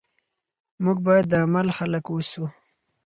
موږ باید د عمل خلک اوسو.